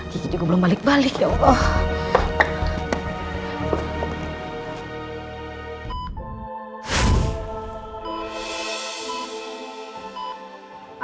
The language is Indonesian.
kita juga belum balik balik ya allah